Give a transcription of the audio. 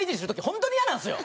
本当にイヤなんですよ。